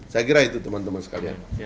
saya kira itu teman teman sekalian